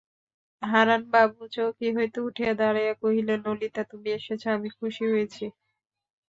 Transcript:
হারানবাবু চৌকি হইতে উঠিয়া দাঁড়াইয়া কহিলেন, ললিতা, তুমি এসেছ আমি খুশি হয়েছি।